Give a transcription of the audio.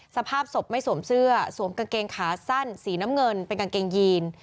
สภาพศพไม่สวมเสื้อสวมกางเกงขาสั้นสีน้ำเงินเป็นกางเกงยีน